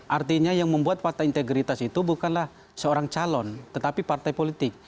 artinya yang membuat fakta integritas itu bukanlah seorang calon tetapi partai politik